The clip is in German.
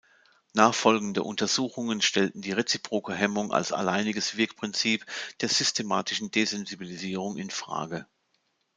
Nachfolgende Untersuchungen stellten die reziproke Hemmung als alleiniges Wirkprinzip der Systematischen Desensibilisierung in Frage.